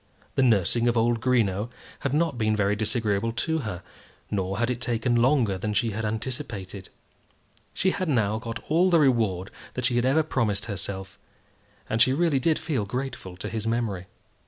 The nursing of old Greenow had not been very disagreeable to her, nor had it taken longer than she had anticipated. She had now got all the reward that she had ever promised herself, and she really did feel grateful to his memory.